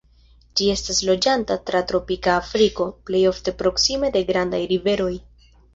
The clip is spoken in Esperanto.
Ĝi estas loĝanta tra tropika Afriko, plej ofte proksime de grandaj riveroj.